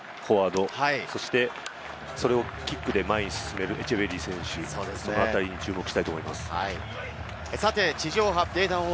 そしてそれをキックで前に進めるエチェベリー選手に注目したいと思います。